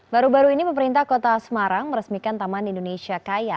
baru baru ini pemerintah kota semarang meresmikan taman indonesia kaya